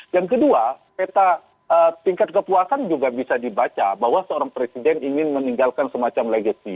yang kedua peta tingkat kepuasan juga bisa dibaca bahwa seorang presiden ingin meninggalkan semacam legacy